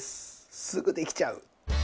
すぐできちゃう！